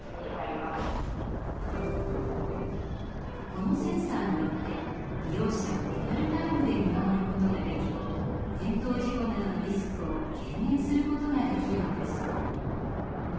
このセンサーによって利用者をリアルタイムで見守ることができ転倒事故などのリスクを軽減することができるのです。